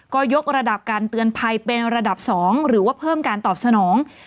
ก็ยกระดับการเตือนภัยเป็นระดับ๒หรือว่าเพิ่มการตอบสนอง